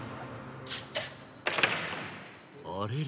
あれれ。